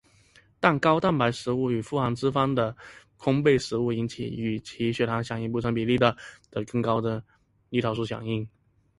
但高蛋白食物与富含脂肪的烘培食物引起与其血糖响应不成比例的的更高的胰岛素响应。